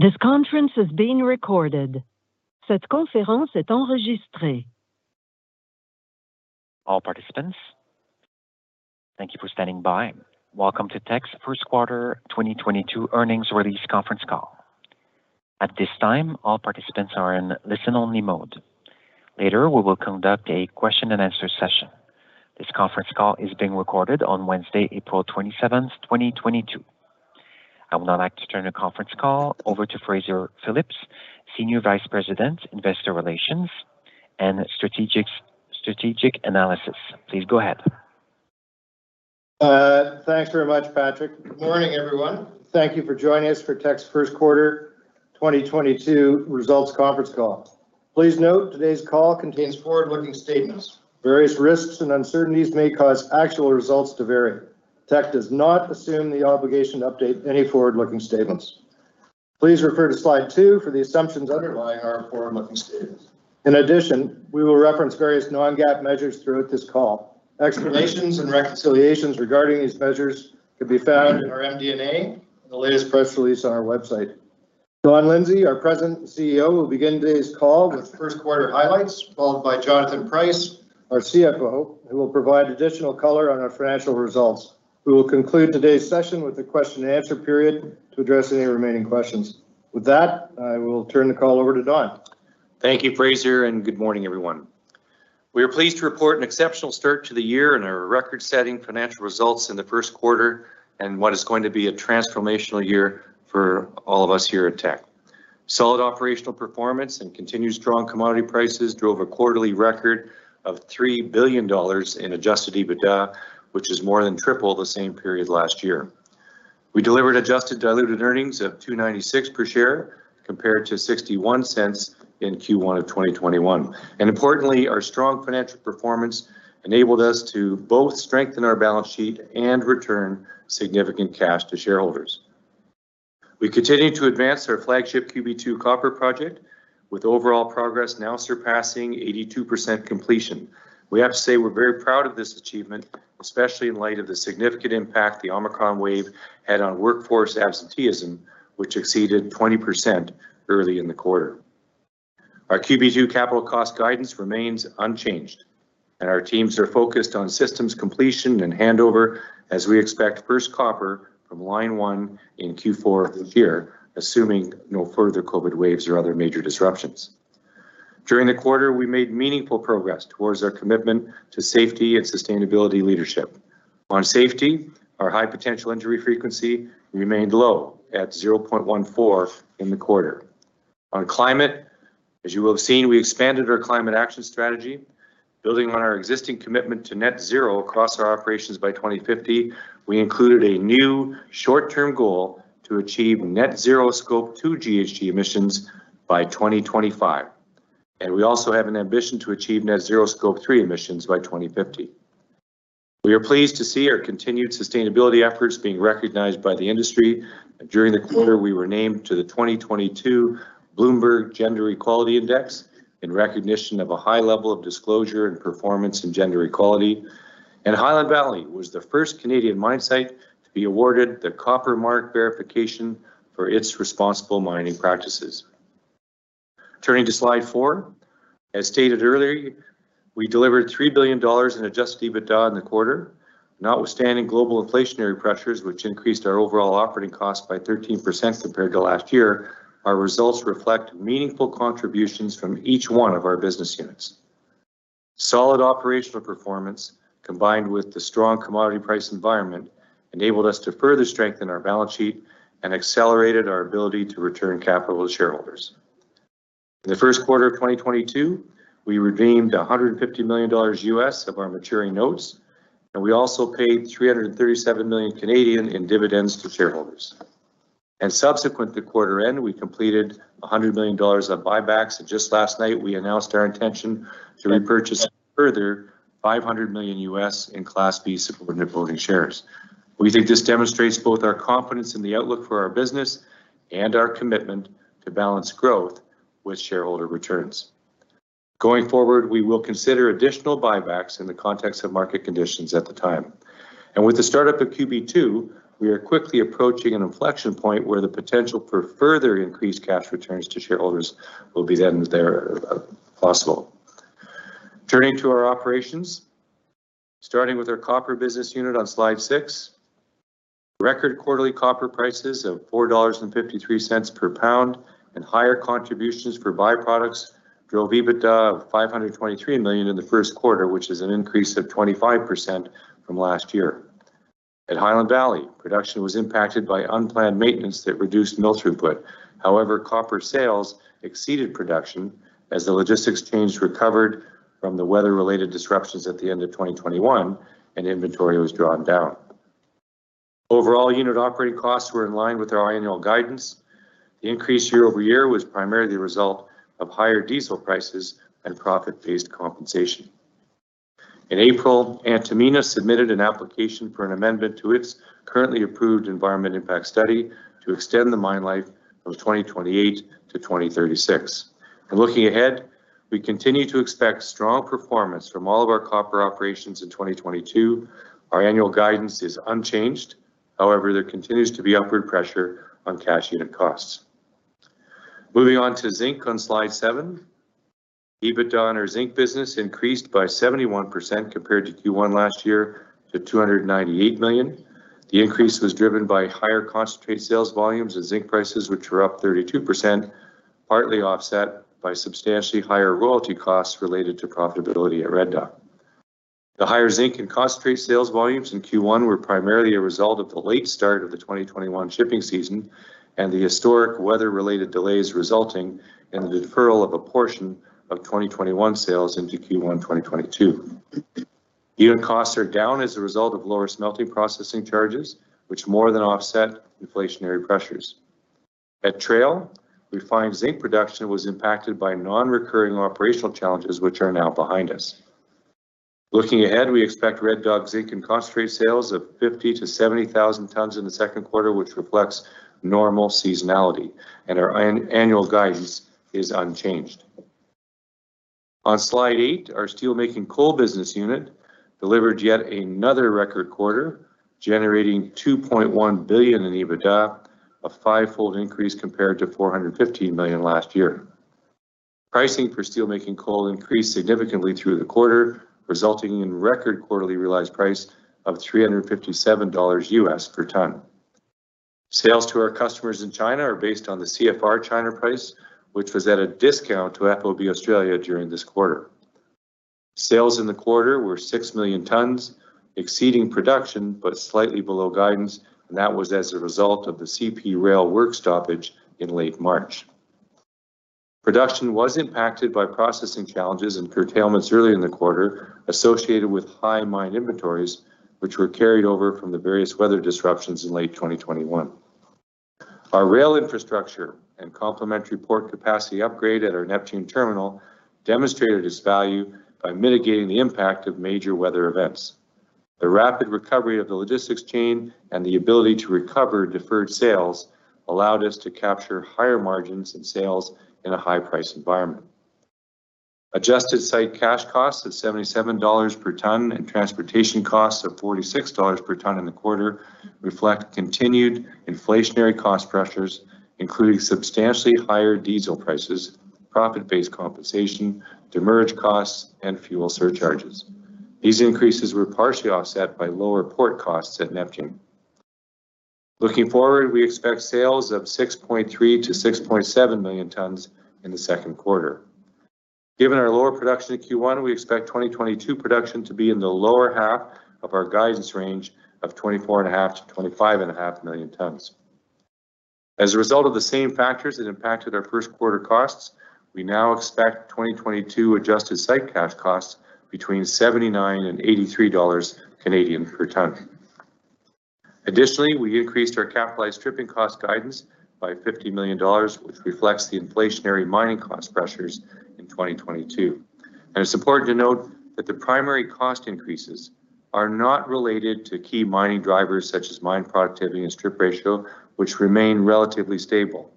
All participants, thank you for standing by. Welcome to Teck's first quarter 2022 earnings release conference call. At this time, all participants are in listen only mode. Later we will conduct a question and answer session. This conference call is being recorded on Wednesday, April 27th, 2022. I would now like to turn the conference call over to Fraser Phillips, Senior Vice President, Investor Relations and Strategic Analysis. Please go ahead. Thanks very much, Patrick. Good morning, everyone. Thank you for joining us for Teck's first quarter 2022 results conference call. Please note today's call contains forward-looking statements. Various risks and uncertainties may cause actual results to vary. Teck does not assume the obligation to update any forward-looking statements. Please refer to slide two for the assumptions underlying our forward-looking statements. In addition, we will reference various non-GAAP measures throughout this call. Explanations and reconciliations regarding these measures can be found in our MD&A in the latest press release on our website. Don Lindsay, our President and CEO, will begin today's call with first quarter highlights, followed by Jonathan Price, our CFO, who will provide additional color on our financial results. We will conclude today's session with a question and answer period to address any remaining questions. With that, I will turn the call over to Don. Thank you, Fraser, and good morning, everyone. We are pleased to report an exceptional start to the year and our record-setting financial results in the first quarter in what is going to be a transformational year for all of us here at Teck. Solid operational performance and continued strong commodity prices drove a quarterly record of 3 billion dollars in adjusted EBITDA, which is more than triple the same period last year. We delivered adjusted diluted earnings of 2.96 per share, compared to 0.61 in Q1 of 2021. Importantly, our strong financial performance enabled us to both strengthen our balance sheet and return significant cash to shareholders. We continue to advance our flagship QB2 copper project with overall progress now surpassing 82% completion. We have to say we're very proud of this achievement, especially in light of the significant impact the Omicron wave had on workforce absenteeism, which exceeded 20% early in the quarter. Our QB2 capital cost guidance remains unchanged, and our teams are focused on systems completion and handover as we expect first copper from Line 1 in Q4 of this year, assuming no further COVID waves or other major disruptions. During the quarter, we made meaningful progress towards our commitment to safety and sustainability leadership. On safety, our high potential injury frequency remained low at 0.14 in the quarter. On climate, as you will have seen, we expanded our climate action strategy, building on our existing commitment to net zero across our operations by 2050. We included a new short-term goal to achieve net zero Scope 2 GHG emissions by 2025, and we also have an ambition to achieve net zero Scope 3 emissions by 2050. We are pleased to see our continued sustainability efforts being recognized by the industry. During the quarter, we were named to the 2022 Bloomberg Gender-Equality Index in recognition of a high level of disclosure and performance in gender equality. Highland Valley was the first Canadian mine site to be awarded the Copper Mark verification for its responsible mining practices. Turning to slide four, as stated earlier, we delivered 3 billion dollars in adjusted EBITDA in the quarter. Notwithstanding global inflationary pressures, which increased our overall operating cost by 13% compared to last year, our results reflect meaningful contributions from each one of our business units. Solid operational performance, combined with the strong commodity price environment, enabled us to further strengthen our balance sheet and accelerated our ability to return capital to shareholders. In the first quarter of 2022, we redeemed $150 million of our maturing notes, and we also paid 337 million in dividends to shareholders. Subsequent to quarter end, we completed 100 million dollars of buybacks, and just last night we announced our intention to repurchase a further $500 million in Class B subordinate voting shares. We think this demonstrates both our confidence in the outlook for our business and our commitment to balance growth with shareholder returns. Going forward, we will consider additional buybacks in the context of market conditions at the time. With the startup of QB2, we are quickly approaching an inflection point where the potential for further increased cash returns to shareholders will be then there, possible. Turning to our operations, starting with our copper business unit on slide six, record quarterly copper prices of 4.53 dollars per pound and higher contributions from byproducts drove EBITDA of 523 million in the first quarter, which is an increase of 25% from last year. At Highland Valley, production was impacted by unplanned maintenance that reduced mill throughput. However, copper sales exceeded production as the logistics chains recovered from the weather-related disruptions at the end of 2021 and inventory was drawn down. Overall unit operating costs were in line with our annual guidance. The increase year-over-year was primarily the result of higher diesel prices and profit-based compensation. In April, Antamina submitted an application for an amendment to its currently approved environmental impact study to extend the mine life from 2028 to 2036. Looking ahead, we continue to expect strong performance from all of our copper operations in 2022. Our annual guidance is unchanged. However, there continues to be upward pressure on cash unit costs. Moving on to zinc on slide seven, EBITDA in our zinc business increased by 71% compared to Q1 last year to 298 million. The increase was driven by higher concentrate sales volumes and zinc prices which were up 32%, partly offset by substantially higher royalty costs related to profitability at Red Dog. The higher zinc and concentrate sales volumes in Q1 were primarily a result of the late start of the 2021 shipping season and the historic weather-related delays resulting in the deferral of a portion of 2021 sales into Q1 2022. Unit costs are down as a result of lower smelting processing charges, which more than offset inflationary pressures. At Trail, refined zinc production was impacted by non-recurring operational challenges which are now behind us. Looking ahead, we expect Red Dog zinc and concentrate sales of 50,000-70,000 tons in the second quarter, which reflects normal seasonality, and our annual guidance is unchanged. On slide eight, our steelmaking coal business unit delivered yet another record quarter, generating 2.1 billion in EBITDA, a fivefold increase compared to 415 million last year. Pricing for steelmaking coal increased significantly through the quarter, resulting in record quarterly realized price of $357 per ton. Sales to our customers in China are based on the CFR China price, which was at a discount to FOB Australia during this quarter. Sales in the quarter were 6 million tons, exceeding production but slightly below guidance, and that was as a result of the CP Rail work stoppage in late March. Production was impacted by processing challenges and curtailments early in the quarter associated with high mine inventories, which were carried over from the various weather disruptions in late 2021. Our rail infrastructure and complementary port capacity upgrade at our Neptune terminal demonstrated its value by mitigating the impact of major weather events. The rapid recovery of the logistics chain and the ability to recover deferred sales allowed us to capture higher margins and sales in a high price environment. Adjusted site cash costs at 77 dollars per ton and transportation costs of 46 dollars per ton in the quarter reflect continued inflationary cost pressures, including substantially higher diesel prices, profit-based compensation, demurrage costs, and fuel surcharges. These increases were partially offset by lower port costs at Neptune. Looking forward, we expect sales of 6.3 million-6.7 million tons in the second quarter. Given our lower production in Q1, we expect 2022 production to be in the lower half of our guidance range of 24.5 million-25.5 million tons. As a result of the same factors that impacted our first quarter costs, we now expect 2022 adjusted site cash costs between 79 and 83 Canadian dollars per ton. Additionally, we increased our capitalized stripping cost guidance by 50 million dollars, which reflects the inflationary mining cost pressures in 2022. It's important to note that the primary cost increases are not related to key mining drivers such as mine productivity and strip ratio, which remain relatively stable.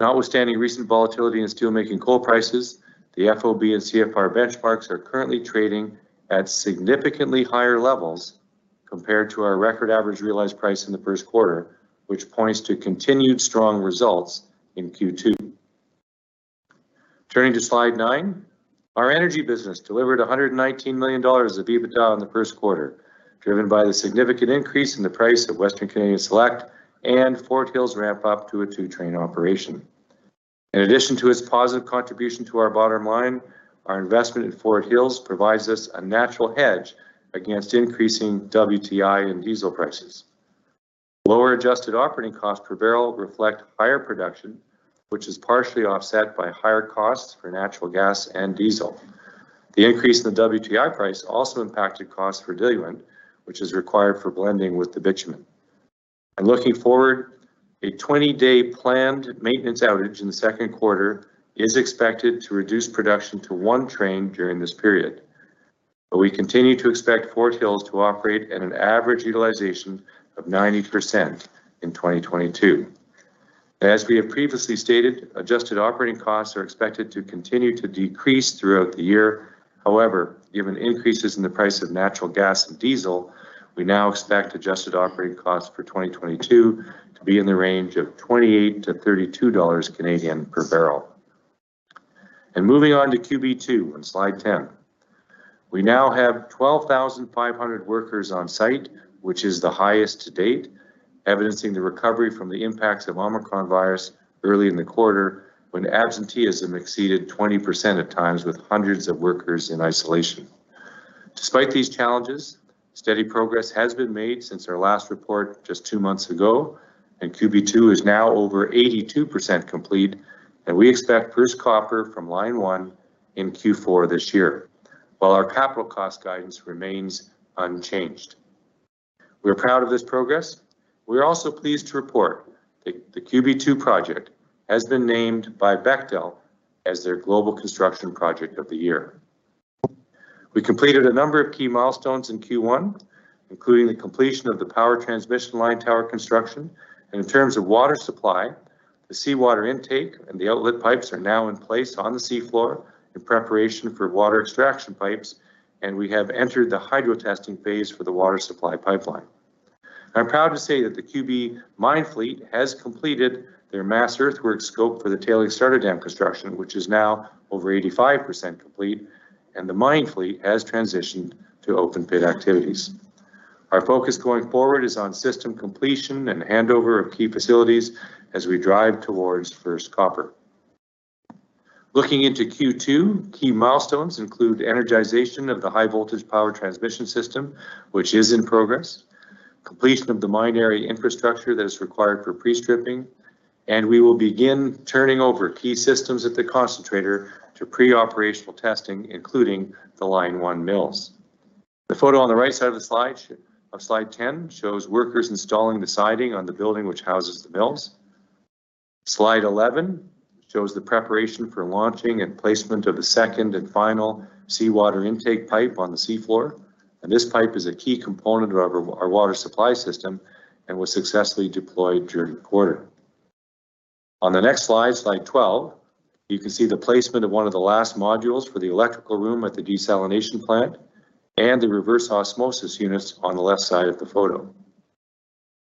Notwithstanding recent volatility in steelmaking coal prices, the FOB and CFR benchmarks are currently trading at significantly higher levels compared to our record average realized price in the first quarter, which points to continued strong results in Q2. Turning to slide nine, our energy business delivered 119 million dollars of EBITDA in the first quarter, driven by the significant increase in the price of Western Canadian Select and Fort Hills ramp up to a two-train operation. In addition to its positive contribution to our bottom line, our investment in Fort Hills provides us a natural hedge against increasing WTI and diesel prices. Lower adjusted operating costs per barrel reflect higher production, which is partially offset by higher costs for natural gas and diesel. The increase in the WTI price also impacted cost for diluent, which is required for blending with the bitumen. Looking forward, a 20-day planned maintenance outage in the second quarter is expected to reduce production to one train during this period. We continue to expect Fort Hills to operate at an average utilization of 90% in 2022. As we have previously stated, adjusted operating costs are expected to continue to decrease throughout the year. However, given increases in the price of natural gas and diesel, we now expect adjusted operating costs for 2022 to be in the range of 28-32 dollars per barrel. Moving on to QB2 on slide 10, we now have 12,500 workers on site, which is the highest to date, evidencing the recovery from the impacts of Omicron virus early in the quarter when absenteeism exceeded 20% at times with hundreds of workers in isolation. Despite these challenges, steady progress has been made since our last report just two months ago, and QB2 is now over 82% complete, and we expect first copper from line one in Q4 this year, while our capital cost guidance remains unchanged. We're proud of this progress. We're also pleased to report that the QB2 project has been named by Bechtel as their global construction project of the year. We completed a number of key milestones in Q1, including the completion of the power transmission line tower construction. In terms of water supply, the seawater intake and the outlet pipes are now in place on the sea floor in preparation for water extraction pipes, and we have entered the hydrotesting phase for the water supply pipeline. I'm proud to say that the QB mine fleet has completed their mass earthwork scope for the Tailings Starter Dam construction, which is now over 85% complete, and the mine fleet has transitioned to open pit activities. Our focus going forward is on system completion and handover of key facilities as we drive towards first copper. Looking into Q2, key milestones include energization of the high voltage power transmission system, which is in progress, completion of the mine area infrastructure that is required for pre-stripping, and we will begin turning over key systems at the concentrator to pre-operational testing, including the Line 1 mills. The photo on the right side of the slide shows workers installing the siding on the building which houses the mills. Slide 11 shows the preparation for launching and placement of the second and final seawater intake pipe on the sea floor, and this pipe is a key component of our water supply system and was successfully deployed during the quarter. On the next slide 12, you can see the placement of one of the last modules for the electrical room at the desalination plant and the reverse osmosis units on the left side of the photo.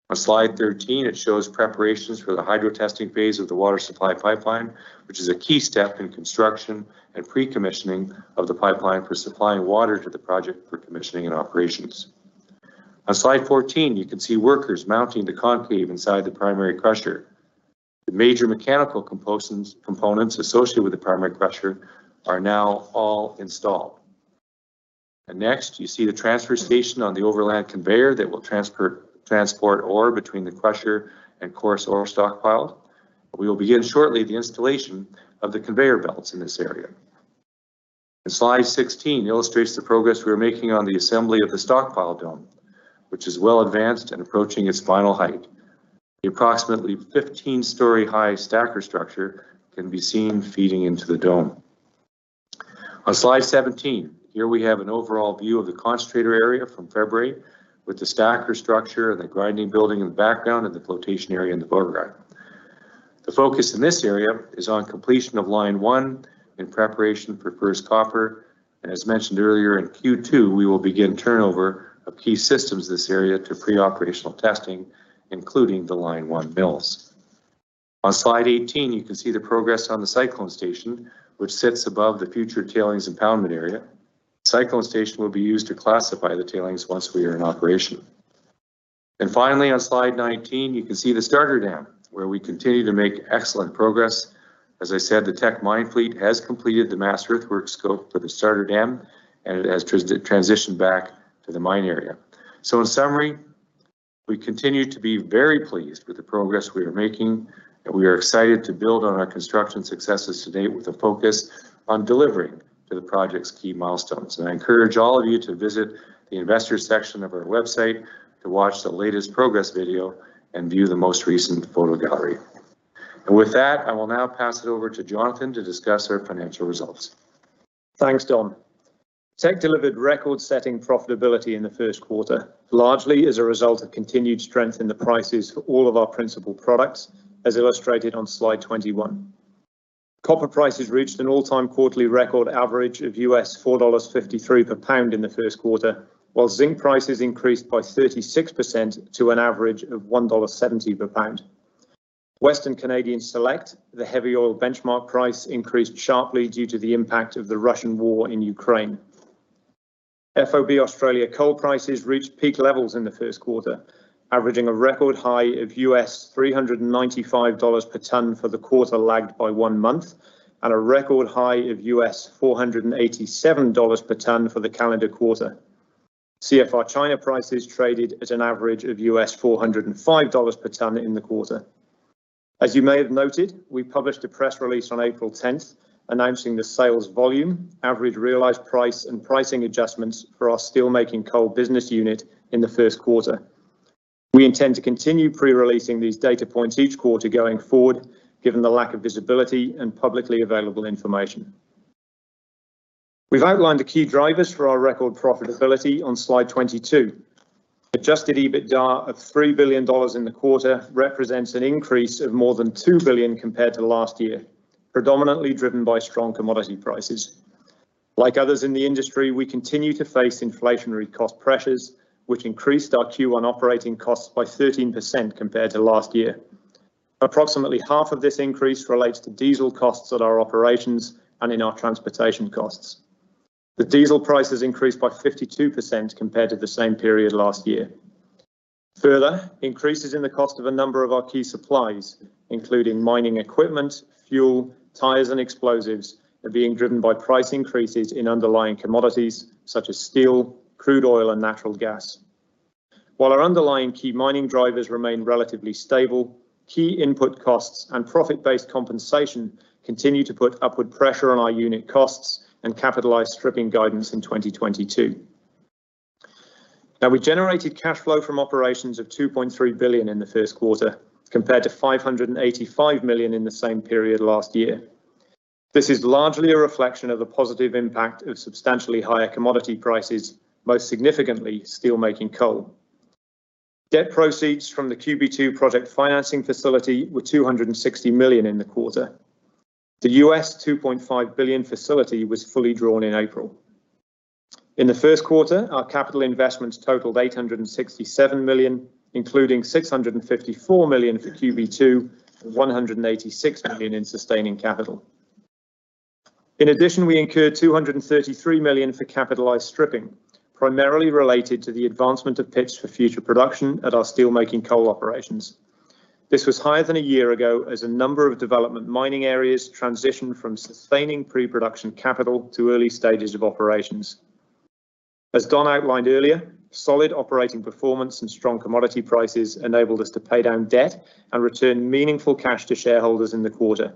On slide 13, it shows preparations for the hydrotesting phase of the water supply pipeline, which is a key step in construction and pre-commissioning of the pipeline for supplying water to the project for commissioning and operations. On slide 14, you can see workers mounting the concave inside the primary crusher. The major mechanical components associated with the primary crusher are now all installed. Next you see the transfer station on the overland conveyor that will transport ore between the crusher and coarse ore stockpile. We will begin shortly the installation of the conveyor belts in this area. Slide 16 illustrates the progress we are making on the assembly of the stockpile dome, which is well advanced and approaching its final height. The approximately 15-story high stacker structure can be seen feeding into the dome. On slide 17, here we have an overall view of the concentrator area from February with the stacker structure and the grinding building in the background and the flotation area in the foreground. The focus in this area is on completion of Line 1 in preparation for first copper. As mentioned earlier, in Q2, we will begin turnover of key systems in this area to pre-operational testing, including the Line 1 mills. On slide 18, you can see the progress on the cyclone station, which sits above the future tailings impoundment area. The cyclone station will be used to classify the tailings once we are in operation. Finally, on slide 19, you can see the starter dam, where we continue to make excellent progress. As I said, the Teck mine fleet has completed the mass earthworks scope for the starter dam, and it has transitioned back to the mine area. In summary, we continue to be very pleased with the progress we are making, and we are excited to build on our construction successes to date with a focus on delivering to the project's key milestones. I encourage all of you to visit the investor section of our website to watch the latest progress video and view the most recent photo gallery. With that, I will now pass it over to Jonathan to discuss our financial results. Thanks, Don. Teck delivered record-setting profitability in the first quarter, largely as a result of continued strength in the prices for all of our principal products as illustrated on slide 21. Copper prices reached an all-time quarterly record average of $4.53 per pound in the first quarter, while zinc prices increased by 36% to an average of $1.70 per pound. Western Canadian Select, the heavy oil benchmark price, increased sharply due to the impact of the Russian war in Ukraine. FOB Australia coal prices reached peak levels in the first quarter, averaging a record high of $395 per tonne for the quarter lagged by one month, and a record high of $487 per tonne for the calendar quarter. CFR China prices traded at an average of $405 per tonne in the quarter. As you may have noted, we published a press release on April 10th announcing the sales volume, average realized price, and pricing adjustments for our steel-making coal business unit in the first quarter. We intend to continue pre-releasing these data points each quarter going forward, given the lack of visibility and publicly available information. We've outlined the key drivers for our record profitability on slide 22. Adjusted EBITDA of 3 billion dollars in the quarter represents an increase of more than 2 billion compared to last year, predominantly driven by strong commodity prices. Like others in the industry, we continue to face inflationary cost pressures, which increased our Q1 operating costs by 13% compared to last year. Approximately half of this increase relates to diesel costs at our operations and in our transportation costs. The diesel prices increased by 52% compared to the same period last year. Further, increases in the cost of a number of our key supplies, including mining equipment, fuel, tires, and explosives, are being driven by price increases in underlying commodities such as steel, crude oil, and natural gas. While our underlying key mining drivers remain relatively stable, key input costs and profit-based compensation continue to put upward pressure on our unit costs and capitalized stripping guidance in 2022. Now we generated cash flow from operations of 2.3 billion in the first quarter, compared to 585 million in the same period last year. This is largely a reflection of a positive impact of substantially higher commodity prices, most significantly, steelmaking coal. Debt proceeds from the QB2 project financing facility were 260 million in the quarter. The U.S. $2.5 billion facility was fully drawn in April. In the first quarter, our capital investments totaled 867 million, including 654 million for QB2, and 186 million in sustaining capital. In addition, we incurred 233 million for capitalized stripping, primarily related to the advancement of pits for future production at our steelmaking coal operations. This was higher than a year ago as a number of development mining areas transitioned from sustaining pre-production capital to early stages of operations. As Don Lindsay outlined earlier, solid operating performance and strong commodity prices enabled us to pay down debt and return meaningful cash to shareholders in the quarter.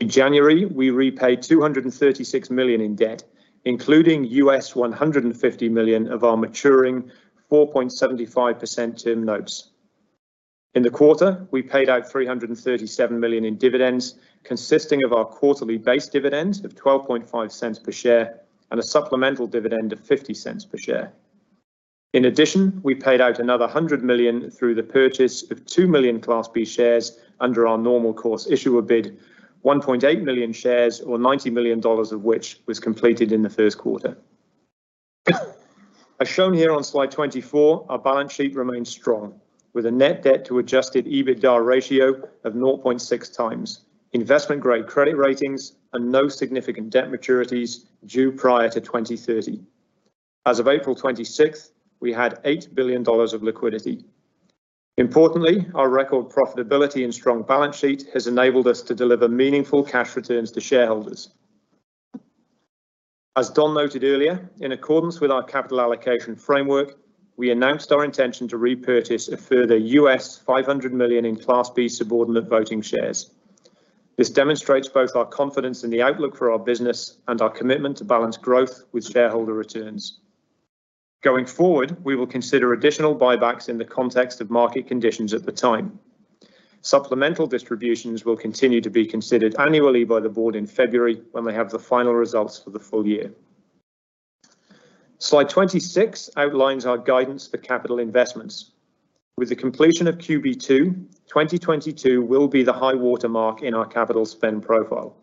In January, we repaid 236 million in debt, including $150 million of our maturing 4.75% term notes. In the quarter, we paid out 337 million in dividends, consisting of our quarterly base dividend of 0.125 per share, and a supplemental dividend of 0.50 per share. In addition, we paid out another 100 million through the purchase of 2 million Class B shares under our normal course issuer bid, 1.8 million shares or 90 million dollars of which was completed in the first quarter. As shown here on slide 24, our balance sheet remains strong, with a net debt to adjusted EBITDA ratio of 0.6x, investment-grade credit ratings, and no significant debt maturities due prior to 2030. As of April 26, we had 8 billion dollars of liquidity. Importantly, our record profitability and strong balance sheet has enabled us to deliver meaningful cash returns to shareholders. As Don noted earlier, in accordance with our capital allocation framework, we announced our intention to repurchase a further $500 million in Class B subordinate voting shares. This demonstrates both our confidence in the outlook for our business and our commitment to balance growth with shareholder returns. Going forward, we will consider additional buybacks in the context of market conditions at the time. Supplemental distributions will continue to be considered annually by the board in February when they have the final results for the full year. Slide 26 outlines our guidance for capital investments. With the completion of QB2, 2022 will be the high-water mark in our capital spend profile.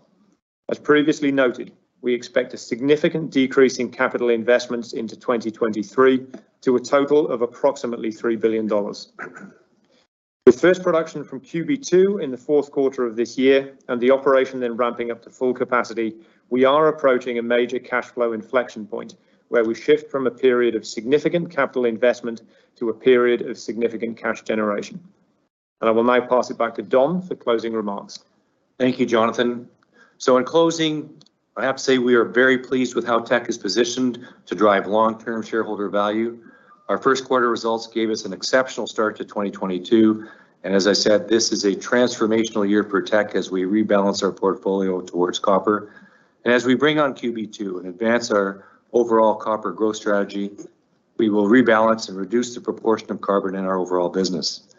As previously noted, we expect a significant decrease in capital investments into 2023, to a total of approximately 3 billion dollars. With first production from QB2 in the fourth quarter of this year, and the operation then ramping up to full capacity, we are approaching a major cash flow inflection point where we shift from a period of significant capital investment to a period of significant cash generation. I will now pass it back to Don for closing remarks. Thank you, Jonathan. In closing, I have to say we are very pleased with how Teck is positioned to drive long-term shareholder value. Our first quarter results gave us an exceptional start to 2022, and as I said, this is a transformational year for Teck as we rebalance our portfolio towards copper. As we bring on QB2 and advance our overall copper growth strategy, we will rebalance and reduce the proportion of carbon in our overall business.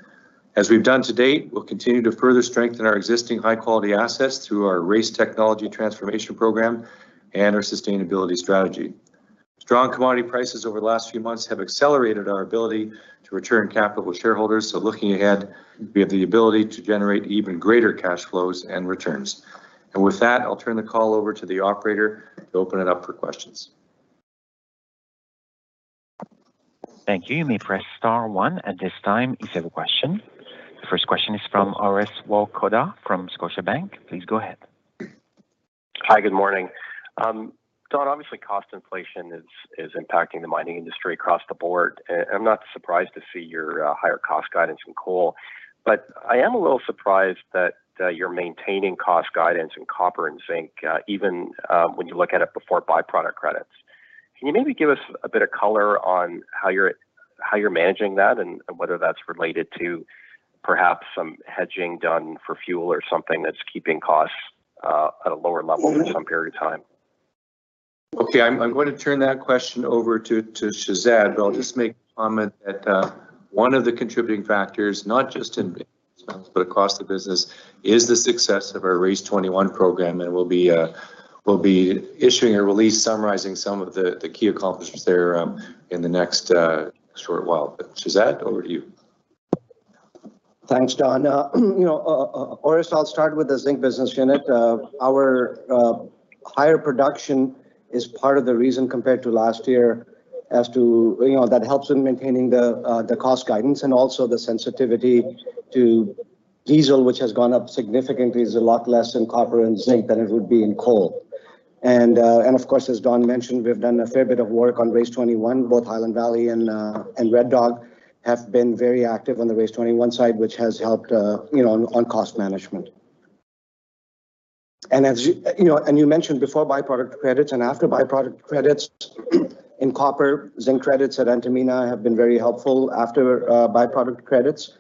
As we've done to date, we'll continue to further strengthen our existing high-quality assets through our RACE Technology Transformation program and our sustainability strategy. Strong commodity prices over the last few months have accelerated our ability to return capital to shareholders. Looking ahead, we have the ability to generate even greater cash flows and returns. With that, I'll turn the call over to the operator to open it up for questions. Thank you. You may press star one at this time if you have a question. The first question is from Orest Wowkodaw from Scotiabank. Please go ahead. Hi, good morning. Don, obviously cost inflation is impacting the mining industry across the board. I'm not surprised to see your higher cost guidance in coal, but I am a little surprised that you're maintaining cost guidance in copper and zinc, even when you look at it before by-product credits. Can you maybe give us a bit of color on how you're managing that and whether that's related to perhaps some hedging done for fuel or something that's keeping costs at a lower level? Mm-hmm for some period of time? Okay. I'm gonna turn that question over to Shehzad, but I'll just make a comment that one of the contributing factors, not just in copper, but across the business, is the success of our RACE21 program, and we'll be issuing a release summarizing some of the key accomplishments there in the next short while. Shehzad, over to you. Thanks, Don. You know, Orest, I'll start with the zinc business unit. Our higher production is part of the reason compared to last year as to, you know, that helps in maintaining the cost guidance and also the sensitivity to diesel, which has gone up significantly, is a lot less in copper and zinc than it would be in coal. Of course, as Don mentioned, we've done a fair bit of work on RACE21, both Highland Valley and Red Dog have been very active on the RACE21 side, which has helped, you know, on cost management. As you know, you mentioned before by-product credits and after by-product credits, in copper, zinc credits at Antamina have been very helpful after by-product credits.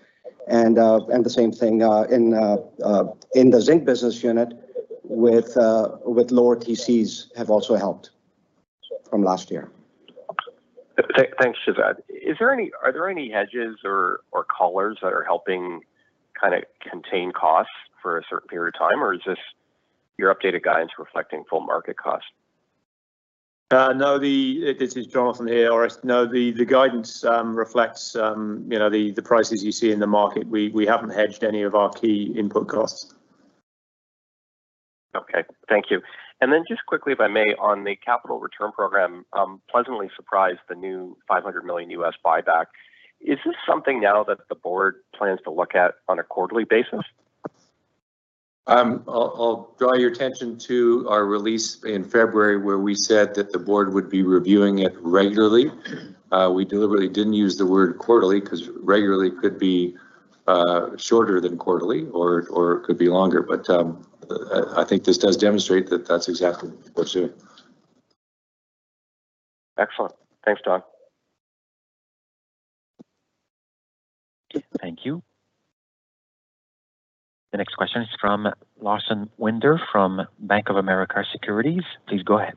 The same thing in the zinc business unit with lower TCs have also helped from last year. Thanks, Shehzad. Are there any hedges or collars that are helping kind of contain costs for a certain period of time, or is this your updated guidance reflecting full market cost? This is Jonathan here. Orest. No, the guidance reflects, you know, the prices you see in the market. We haven't hedged any of our key input costs. Okay, thank you. Just quickly, if I may, on the capital return program, I'm pleasantly surprised by the new $500 million buyback. Is this something now that the board plans to look at on a quarterly basis? I'll draw your attention to our release in February where we said that the board would be reviewing it regularly. We deliberately didn't use the word quarterly, 'cause regularly could be shorter than quarterly or could be longer, but I think this does demonstrate that that's exactly what we're doing. Excellent. Thanks, Don. Thank you. The next question is from Lawson Winder from Bank of America Securities. Please go ahead.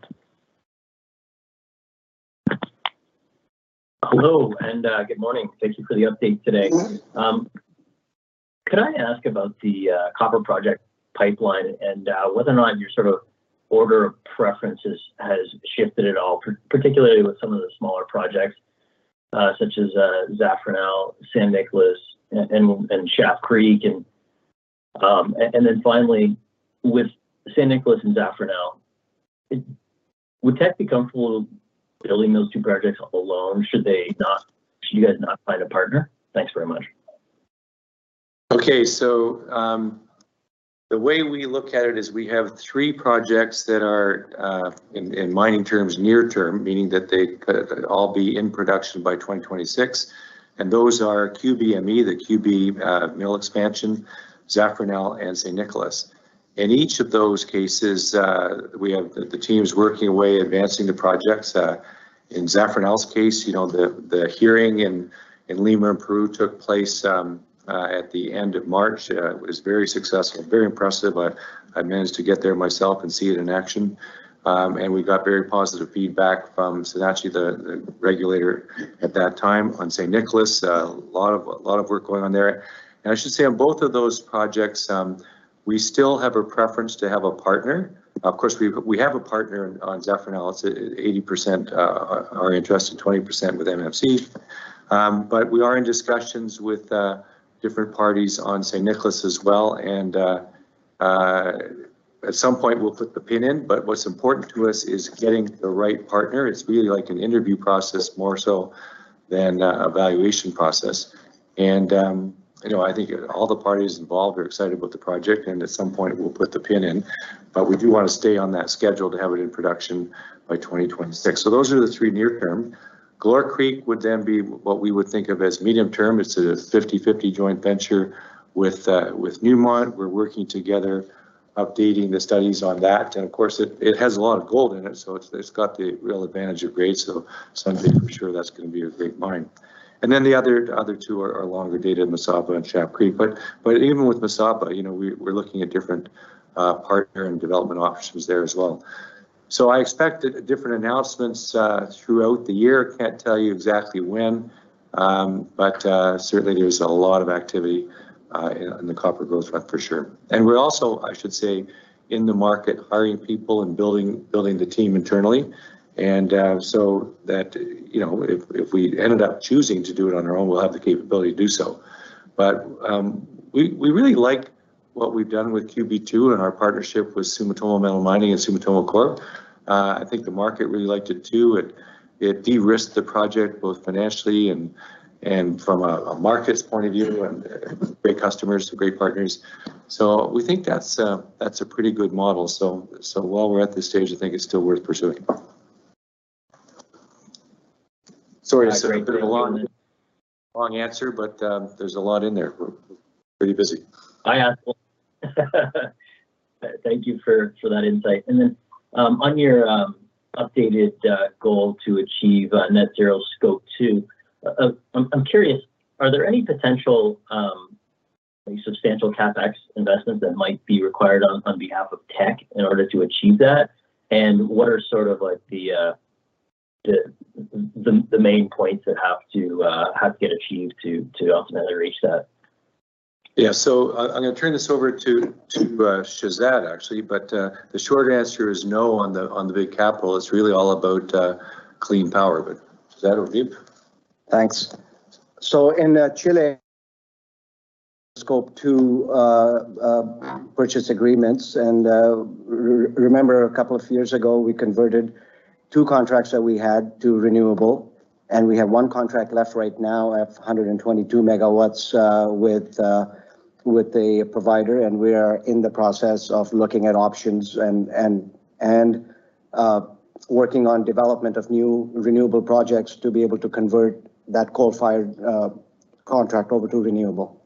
Hello, and good morning. Thank you for the update today. Good morning. Could I ask about the copper project pipeline and whether or not your sort of order of preferences has shifted at all, particularly with some of the smaller projects, such as Zafranal, San Nicolás, and Schaft Creek, and then finally, with San Nicolás and Zafranal, would Teck be comfortable building those two projects alone should you guys not find a partner? Thanks very much. Okay. The way we look at it is we have three projects that are in mining terms near term, meaning that they could all be in production by 2026, and those are QB2, the QB2 mill expansion, Zafranal and San Nicolás. In each of those cases, we have the teams working away advancing the projects. In Zafranal's case, you know, the hearing in Lima, Peru took place at the end of March, was very successful, very impressive. I managed to get there myself and see it in action. We got very positive feedback from SENACE, the regulator at that time. On San Nicolás, a lot of work going on there. I should say on both of those projects, we still have a preference to have a partner. Of course, we have a partner on Zafranal. It's 80% our interest, and 20% with MMC. But we are in discussions with different parties on San Nicolás as well and at some point we'll put the pin in, but what's important to us is getting the right partner. It's really like an interview process more so than a valuation process. You know, I think all the parties involved are excited about the project, and at some point we'll put the pin in, but we do wanna stay on that schedule to have it in production by 2026. Those are the three near-term. Galore Creek would then be what we would think of as medium-term. It's a 50/50 joint venture with Newmont. We're working together updating the studies on that. Of course, it has a lot of gold in it, so it's got the real advantage of grade, so someday I'm sure that's gonna be a great mine. The other two are longer dated, Mesaba and Schaft Creek. Even with Mesaba, you know, we're looking at different partner and development options there as well. I expect different announcements throughout the year. Can't tell you exactly when, but certainly there's a lot of activity in the copper growth for sure. We're also, I should say, in the market hiring people and building the team internally, so that, you know, if we ended up choosing to do it on our own, we'll have the capability to do so. We really like what we've done with QB2 and our partnership with Sumitomo Metal Mining and Sumitomo Corp. I think the market really liked it too. It de-risked the project both financially and from a market's point of view, and great customers, great partners. We think that's a pretty good model. While we're at this stage, I think it's still worth pursuing. Sorry, sir, a bit of a long answer, but there's a lot in there. We're pretty busy. Thank you for that insight. On your updated goal to achieve net zero Scope 2, I'm curious, are there any potential like substantial CapEx investments that might be required on behalf of Teck in order to achieve that? What are sort of like the main points that have to get achieved to ultimately reach that? Yeah. I'm gonna turn this over to Shehzad actually, but the short answer is no on the big capital. It's really all about clean power. Shehzad over to you. Thanks. In Chile, Scope 2 purchase agreements, remember a couple of years ago we converted two contracts that we had to renewable, and we have one contract left right now at 122 MW with the provider, and we are in the process of looking at options and working on development of new renewable projects to be able to convert that coal-fired contract over to renewable.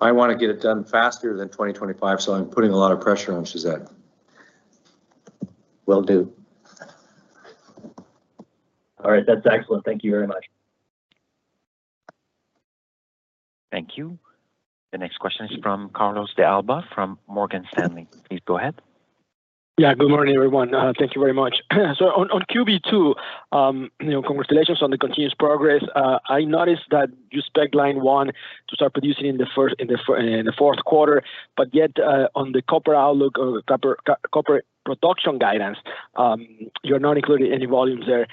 I wanna get it done faster than 2025, so I'm putting a lot of pressure on Shehzad. Will do. All right, that's excellent. Thank you very much. Thank you. The next question is from Carlos de Alba from Morgan Stanley. Please go ahead. Yeah, good morning, everyone. Thank you very much. On QB2, you know, congratulations on the continued progress. I noticed that you expect line one to start producing in the fourth quarter, but yet on the copper outlook or the copper production guidance, you're not including any volumes there.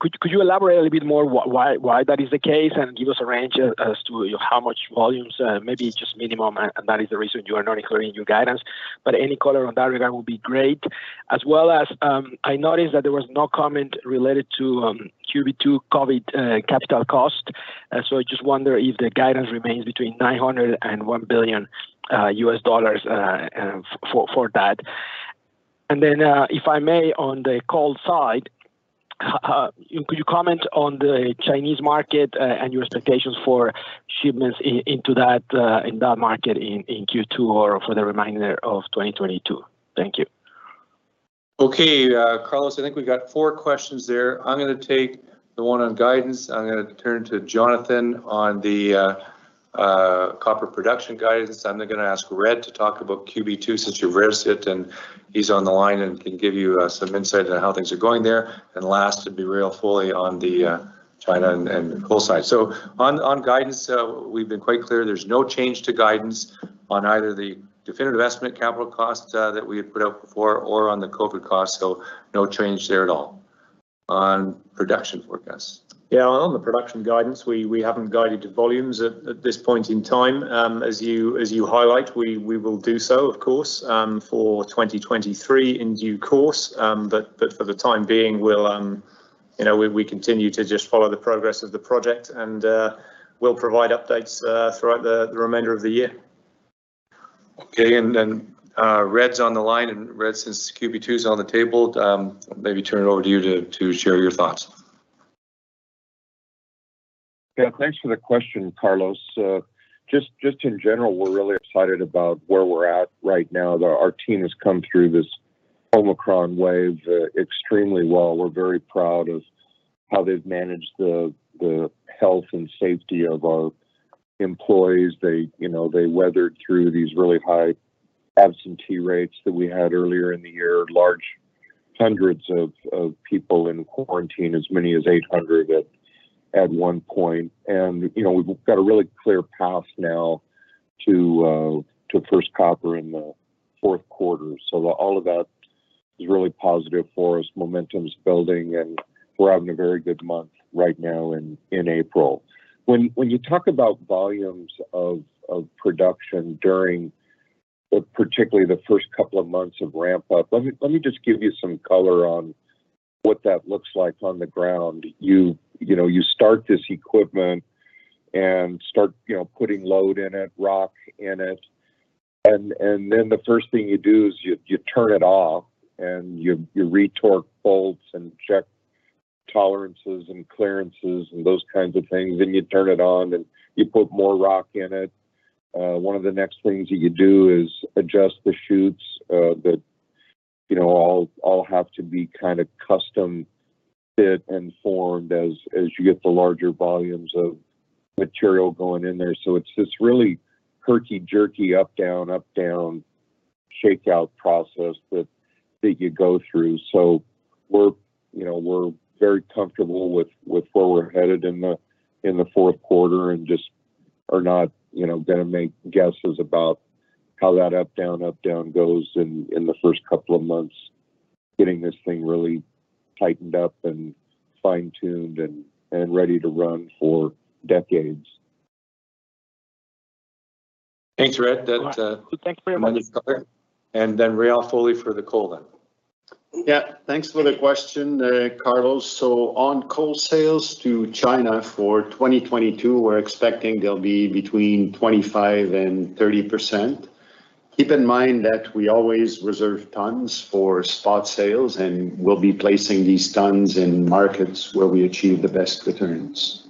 Could you elaborate a little bit more why that is the case and give us a range as to how much volumes, maybe just minimum and that is the reason you are not including in your guidance, but any color on that regard will be great. As well as, I noticed that there was no comment related to QB2 COVID capital cost. I just wonder if the guidance remains between $900 million and $1 billion for that. If I may, on the coal side, could you comment on the Chinese market and your expectations for shipments into that market in Q2 or for the remainder of 2022? Thank you. Okay. Carlos, I think we got four questions there. I'm gonna take the one on guidance. I'm gonna turn to Jonathan on the copper production guidance. I'm then gonna ask Red to talk about QB2 since you've raised it, and he's on the line and can give you some insight on how things are going there. Last, it'd be Réal Foley on the China and coal side. On guidance, we've been quite clear there's no change to guidance on either the definitive estimate capital cost that we had put out before or on the COVID cost, so no change there at all on production forecast. Yeah, on the production guidance, we haven't guided the volumes at this point in time. As you highlight, we will do so, of course, for 2023 in due course. For the time being, we'll you know we continue to just follow the progress of the project and we'll provide updates throughout the remainder of the year. Okay. Red's on the line. Red, since QB2 is on the table, maybe turn it over to you to share your thoughts. Yeah, thanks for the question, Carlos. Just in general, we're really excited about where we're at right now. Our team has come through this Omicron wave extremely well. We're very proud of how they've managed the health and safety of our employees. They, you know, weathered through these really high absentee rates that we had earlier in the year. Large hundreds of people in quarantine, as many as 800 at one point. You know, we've got a really clear path now to first copper in the fourth quarter. So all of that is really positive for us. Momentum's building, and we're having a very good month right now in April. When you talk about volumes of production during particularly the first couple of months of ramp up, let me just give you some color on what that looks like on the ground. You know, you start this equipment and start putting load in it, rock in it. Then the first thing you do is you turn it off and you re-torque bolts and check tolerances and clearances and those kinds of things. You turn it on, and you put more rock in it. One of the next things that you do is adjust the chutes that you know all have to be kind of custom fit and formed as you get the larger volumes of material going in there. It's this really herky-jerky up, down, up, down shakeout process that you go through. We're, you know, very comfortable with where we're headed in the fourth quarter and just are not, you know, gonna make guesses about how that up, down, up, down goes in the first couple of months, getting this thing really tightened up and fine-tuned and ready to run for decades. Thanks, Red. That All right. Thanks very much. Réal Foley for the coal then. Yeah. Thanks for the question, Carlos. On coal sales to China for 2022, we're expecting they'll be between 25% and 30%. Keep in mind that we always reserve tons for spot sales, and we'll be placing these tons in markets where we achieve the best returns.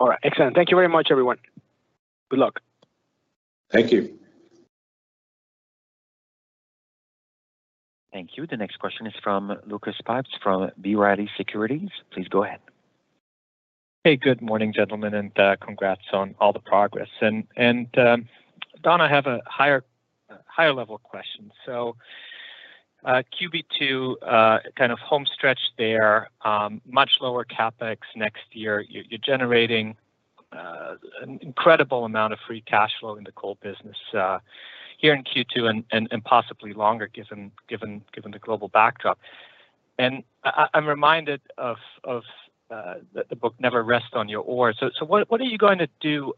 All right. Excellent. Thank you very much, everyone. Good luck. Thank you. Thank you. The next question is from Lucas Pipes from B. Riley Securities. Please go ahead. Hey. Good morning, gentlemen, and congrats on all the progress. Don, I have a higher level question. QB2 kind of home stretch there, much lower CapEx next year. You're generating an incredible amount of free cash flow in the coal business here in Q2 and possibly longer given the global backdrop. I’m reminded of the book Never Rest on Your Ores. What are you going to do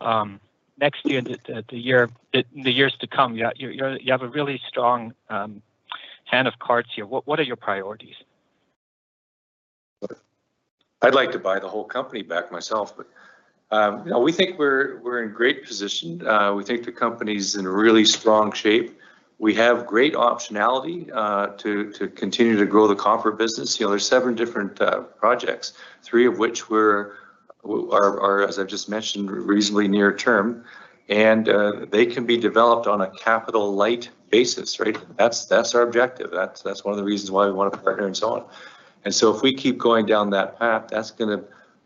next year, the years to come? You have a really strong hand of cards here. What are your priorities? I'd like to buy the whole company back myself, but you know, we think we're in great position. We think the company's in really strong shape. We have great optionality to continue to grow the copper business. You know, there's seven different projects, three of which we're As I've just mentioned, reasonably near term, and they can be developed on a capital light basis, right? That's our objective. That's one of the reasons why we wanna partner and so on. If we keep going down that path, that's gonna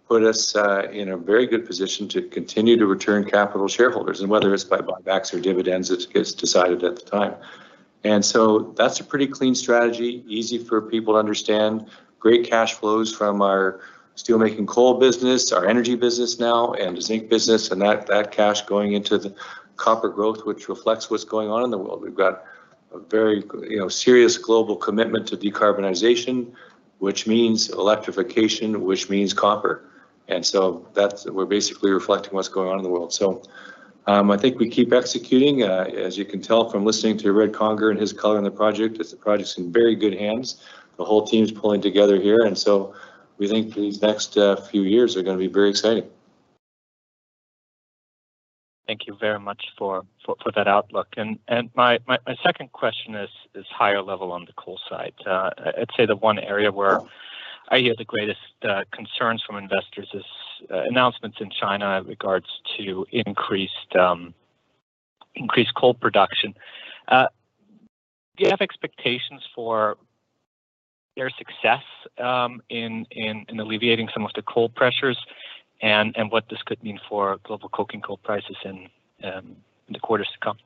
put us in a very good position to continue to return capital to shareholders, and whether it's by buybacks or dividends, it gets decided at the time. That's a pretty clean strategy, easy for people to understand, great cash flows from our steelmaking coal business, our energy business now, and the zinc business and that cash going into the copper growth, which reflects what's going on in the world. We've got a very, you know, serious global commitment to decarbonization, which means electrification, which means copper. We're basically reflecting what's going on in the world. I think we keep executing. As you can tell from listening to Red Conger and his color in the project, that the project's in very good hands. The whole team's pulling together here, and so we think these next few years are gonna be very exciting. Thank you very much for that outlook. My second question is higher level on the coal side. I'd say the one area where I hear the greatest concerns from investors is announcements in China regards to increased coal production. Do you have expectations for their success in alleviating some of the coal pressures and what this could mean for global coking coal prices in the quarters to come?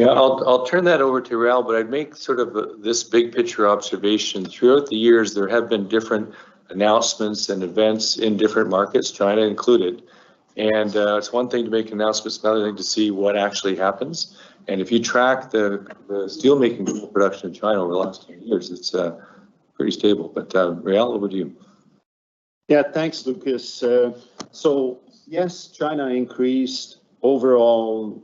Yeah, I'll turn that over to Réal, but I'd make sort of this big picture observation. Throughout the years, there have been different announcements and events in different markets, China included. It's one thing to make announcements, it's another thing to see what actually happens. If you track the steelmaking coal production in China over the last 10 years, it's pretty stable. Réal, over to you. Yeah. Thanks, Lucas. Yes, China increased overall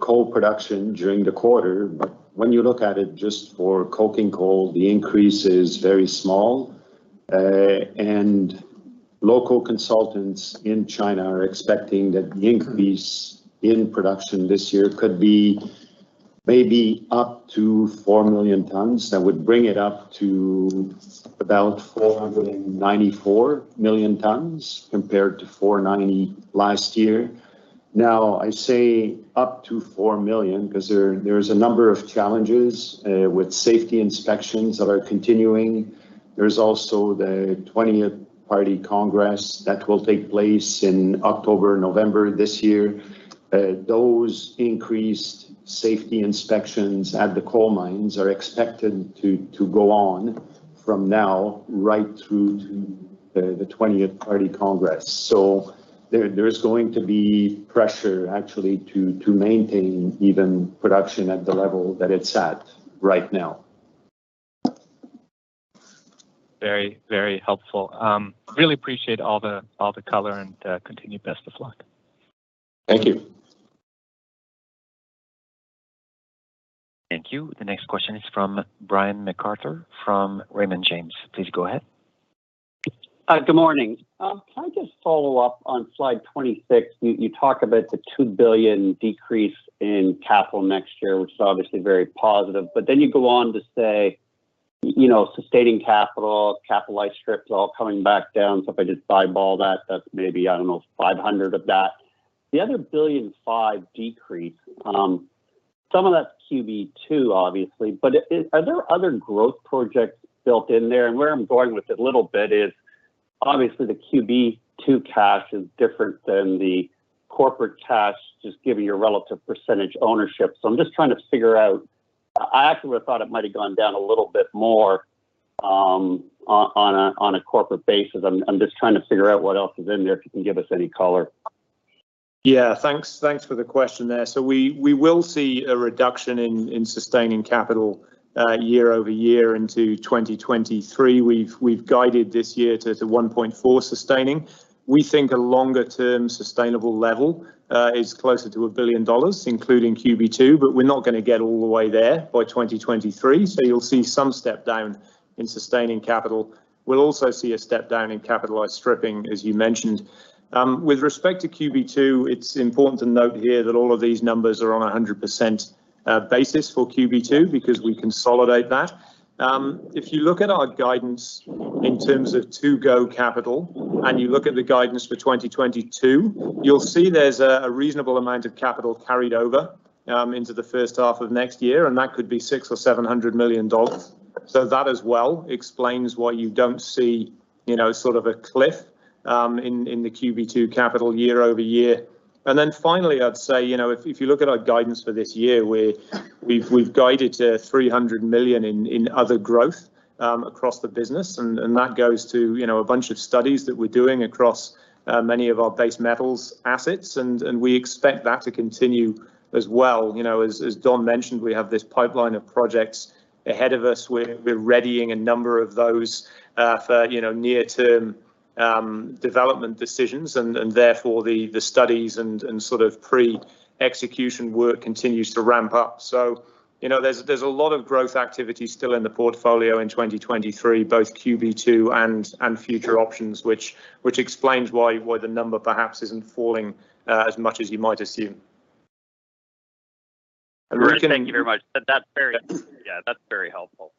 coal production during the quarter, but when you look at it just for coking coal, the increase is very small. Local consultants in China are expecting that the increase in production this year could be maybe up to 4 million tons. That would bring it up to about 494 million tons, compared to 490 last year. Now, I say up to 4 million 'cause there's a number of challenges with safety inspections that are continuing. There's also the 20th Party Congress that will take place in October, November this year. Those increased safety inspections at the coal mines are expected to go on from now right through to the 20th Party Congress. There is going to be pressure actually to maintain even production at the level that it's at right now. Very, very helpful. Really appreciate all the color and continued best of luck. Thank you. Thank you. The next question is from Brian MacArthur from Raymond James. Please go ahead. Good morning. Can I just follow up on slide 26? You talk about the 2 billion decrease in capital next year, which is obviously very positive, but then you go on to say, you know, sustaining capital, capitalized strips all coming back down. If I just eyeball that's maybe, I don't know, 500 of that. The other 1.5 billion decrease, some of that's QB2 obviously, but are there other growth projects built in there? Where I'm going with it a little bit is obviously the QB2 cash is different than the corporate cash, just given your relative percentage ownership. I'm just trying to figure out, I actually would've thought it might have gone down a little bit more, on a corporate basis. I'm just trying to figure out what else is in there, if you can give us any color. Thanks. Thanks for the question there. We will see a reduction in sustaining capital year over year into 2023. We've guided this year to 1.4 sustaining. We think a longer term sustainable level is closer to 1 billion dollars, including QB2, but we're not gonna get all the way there by 2023. You'll see some step down in sustaining capital. We'll also see a step down in capitalized stripping, as you mentioned. With respect to QB2, it's important to note here that all of these numbers are on a 100% basis for QB2 because we consolidate that. If you look at our guidance in terms of to-go capital, and you look at the guidance for 2022, you'll see there's a reasonable amount of capital carried over into the first half of next year, and that could be 600 million-700 million dollars. That as well explains why you don't see, you know, sort of a cliff in the QB2 capital year-over-year. Then finally, I'd say, you know, if you look at our guidance for this year, we've guided to 300 million in other growth across the business, and that goes to, you know, a bunch of studies that we're doing across many of our base metals assets, and we expect that to continue as well. You know, as Don mentioned, we have this pipeline of projects ahead of us. We're readying a number of those for you know, near term, development decisions and therefore, the studies and sort of pre-execution work continues to ramp up. You know, there's a lot of growth activity still in the portfolio in 2023, both QB2 and future options, which explains why the number perhaps isn't falling as much as you might assume. Thank you very much. Yeah, that's very helpful.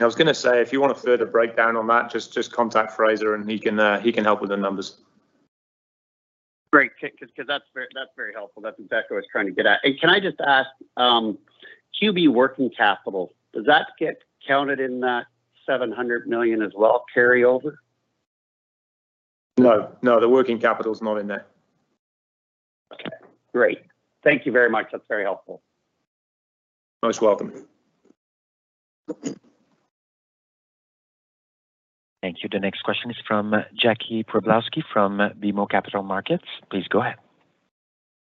I was gonna say, if you want a further breakdown on that, just contact Fraser, and he can help with the numbers. Great, cause that's very helpful. That's exactly what I was trying to get at. Can I just ask, QB working capital, does that get counted in that 700 million as well carry over? No. No, the working capital's not in there. Okay. Great. Thank you very much. That's very helpful. Most welcome. Thank you. The next question is from Jackie Przybylowski from BMO Capital Markets. Please go ahead.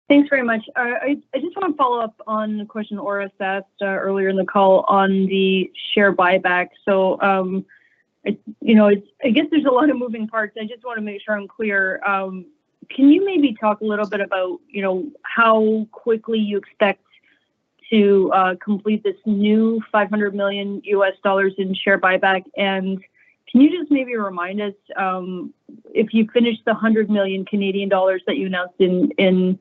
Thanks very much. I just wanna follow up on the question Orest asked earlier in the call on the share buyback. You know, it's, I guess there's a lot of moving parts. I just wanna make sure I'm clear. Can you maybe talk a little bit about, you know, how quickly you expect to complete this new $500 million in share buyback? Can you just maybe remind us if you finished the 100 million Canadian dollars that you announced in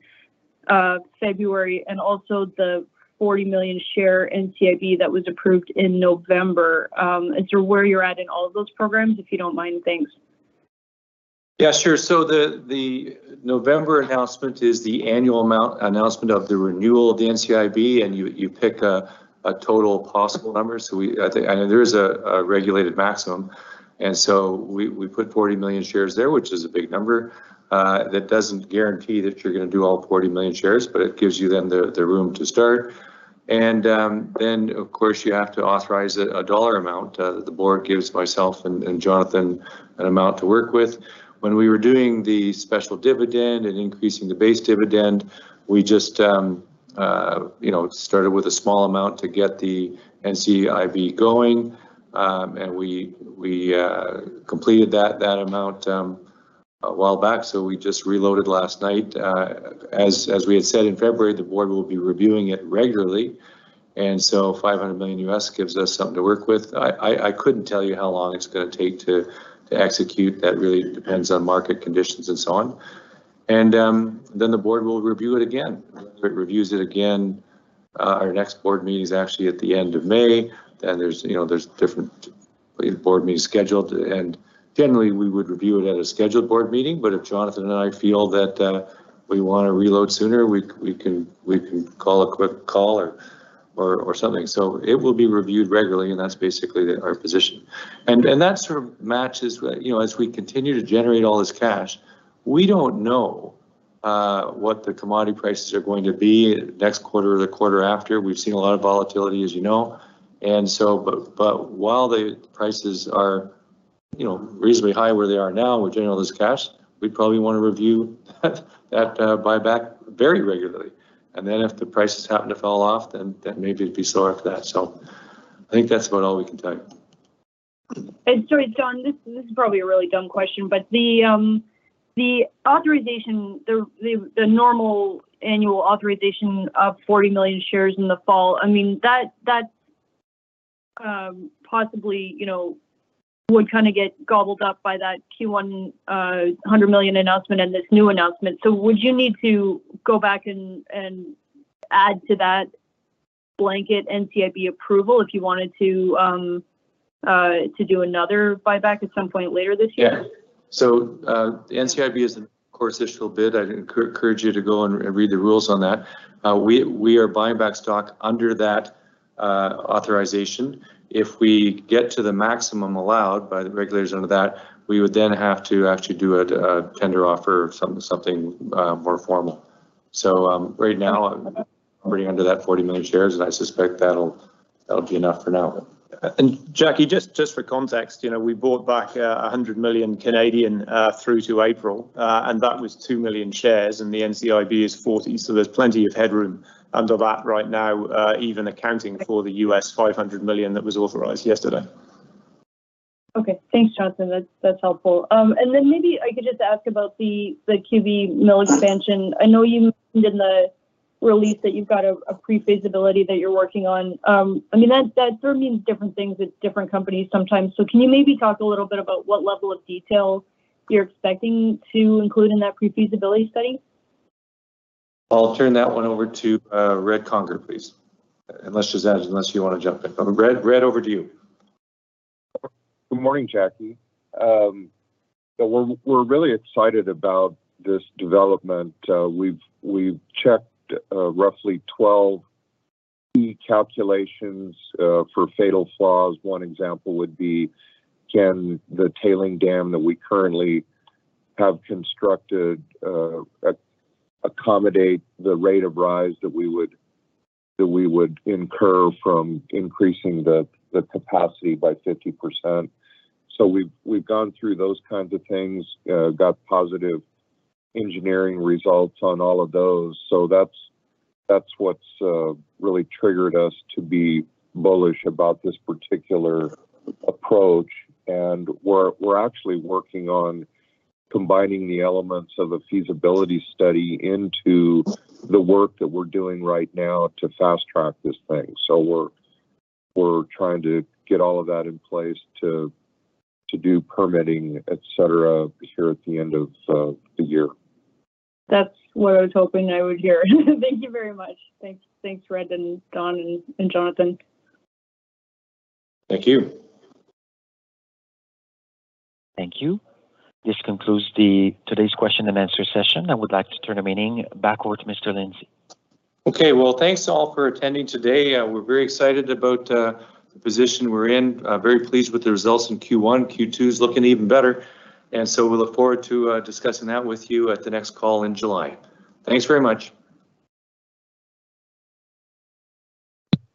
February and also the 40 million share NCIB that was approved in November as to where you're at in all of those programs, if you don't mind? Thanks. Yeah, sure. The November announcement is the annual amount announcement of the renewal of the NCIB. You pick a total possible number. I know there is a regulated maximum. We put 40 million shares there, which is a big number. That doesn't guarantee that you're gonna do all 40 million shares, but it gives you then the room to start. Then of course you have to authorize a dollar amount that the board gives myself and Jonathan an amount to work with. When we were doing the special dividend and increasing the base dividend, we just, you know, started with a small amount to get the NCIB going. We completed that amount a while back. We just reloaded last night. As we had said in February, the board will be reviewing it regularly, and so $500 million gives us something to work with. I couldn't tell you how long it's gonna take to execute. That really depends on market conditions and so on. The board will review it again. If it reviews it again, our next board meeting's actually at the end of May, then there's, you know, there's different board meetings scheduled. Generally, we would review it at a scheduled board meeting, but if Jonathan and I feel that we wanna reload sooner, we can call a quick call or something. It will be reviewed regularly, and that's basically our position. That sort of matches, you know, as we continue to generate all this cash, we don't know what the commodity prices are going to be next quarter or the quarter after. We've seen a lot of volatility, as you know. While the prices are, you know, reasonably high where they are now, we're generating all this cash, we probably wanna review that buyback very regularly. If the prices happen to fall off, then maybe it'd be slower after that. I think that's about all we can tell you. Sorry, John, this is probably a really dumb question, but the normal annual authorization of 40 million shares in the fall, I mean, that possibly, you know, would kind of get gobbled up by that Q1 100 million announcement and this new announcement. Would you need to go back and add to that blanket NCIB approval if you wanted to do another buyback at some point later this year? The NCIB is a normal course issuer bid. I'd encourage you to go and read the rules on that. We are buying back stock under that authorization. If we get to the maximum allowed by the regulators under that, we would then have to actually do a tender offer, something more formal. Right now I'm pretty under that 40 million shares, and I suspect that'll be enough for now. Jackie, just for context, you know, we bought back 100 million through to April, and that was 2 million shares, and the NCIB is 40, so there's plenty of headroom under that right now, even accounting for the $500 million that was authorized yesterday. Okay. Thanks, Jonathan. That's helpful. Maybe I could just ask about the QB mill expansion. I know you mentioned in the release that you've got a pre-feasibility that you're working on. I mean, that sort of means different things at different companies sometimes. Can you maybe talk a little bit about what level of detail you're expecting to include in that pre-feasibility study? I'll turn that one over to Red Conger, please, unless Jonathan, you wanna jump in. Red, over to you. Good morning, Jackie. We're really excited about this development. We've checked roughly 12 key calculations for fatal flaws. One example would be, can the tailings dam that we currently have constructed accommodate the rate of rise that we would incur from increasing the capacity by 50%? We've gone through those kinds of things, got positive engineering results on all of those. That's what's really triggered us to be bullish about this particular approach. We're actually working on combining the elements of a feasibility study into the work that we're doing right now to fast-track this thing. We're trying to get all of that in place to do permitting, et cetera, here at the end of the year. That's what I was hoping I would hear. Thank you very much. Thanks. Thanks Red, and John, and Jonathan. Thank you. Thank you. This concludes today's question and answer session. I would like to turn the meeting back over to Mr. Lindsay. Okay. Well, thanks all for attending today. We're very excited about the position we're in, very pleased with the results in Q1. Q2's looking even better, and so we look forward to discussing that with you at the next call in July. Thanks very much.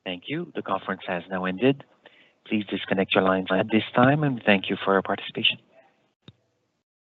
Thank you. The conference has now ended. Please disconnect your lines at this time, and thank you for your participation.